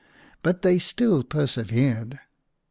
But they still persevered.